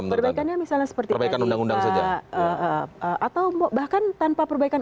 perbaikannya misalnya seperti perbaikan undang undang atau bahkan tanpa perbaikan